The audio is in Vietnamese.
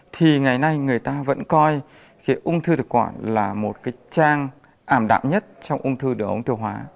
thì ngày nay người ta vẫn coi ông thư thực quản là một trang ảm đạm nhất trong ông thư đỡ ông tiêu hóa